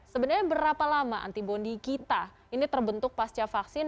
sebenarnya berapa lama antibody kita ini terbentuk pasca vaksin